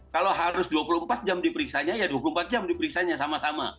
kalau harus dua puluh empat jam diperiksanya ya dua puluh empat jam diperiksanya sama sama